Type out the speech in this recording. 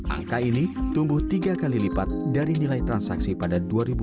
angka ini tumbuh tiga kali lipat dari nilai transaksi pada dua ribu dua puluh